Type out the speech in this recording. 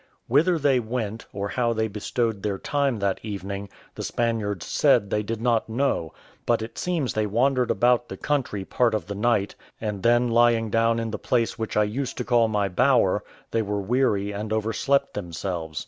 Whither they went, or how they bestowed their time that evening, the Spaniards said they did not know; but it seems they wandered about the country part of the night, and them lying down in the place which I used to call my bower, they were weary and overslept themselves.